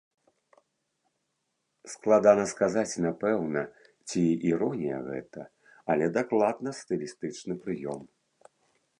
Складана сказаць напэўна, ці іронія гэта, але дакладна стылістычны прыём.